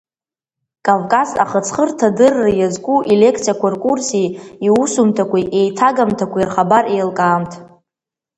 Кавказ ахыҵхырҭадырра иазку илекциақәа ркурси, иусумҭақәеи, еиҭагамҭақәеи рхабар еилкаамҬ…